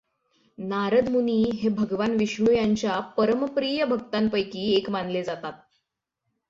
नारद मुनी हे भगवान विष्णू यांच्या परमप्रिय भक्तांपैकी एक मानले जातात.